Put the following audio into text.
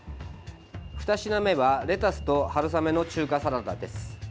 ２品目はレタスと春雨の中華サラダです。